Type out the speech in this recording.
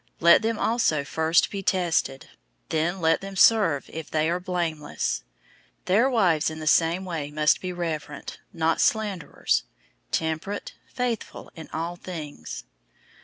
003:010 Let them also first be tested; then let them serve{or, serve as deacons} if they are blameless. 003:011 Their wives in the same way must be reverent, not slanderers, temperate, faithful in all things.